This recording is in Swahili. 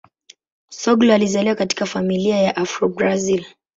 Soglo alizaliwa katika familia ya Afro-Brazil.